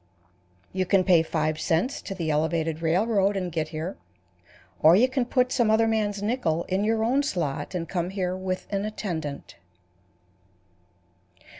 You can pay five cents to the Elevated Railroad and get here, or you can put some other man's nickel in your own slot and come here with an attendant.